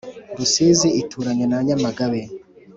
Rusizi ituranye na nyamagabe